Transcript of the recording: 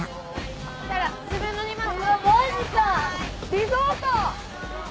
リゾート！